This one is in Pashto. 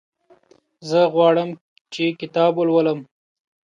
زه غواړم چې کتاب ولولم.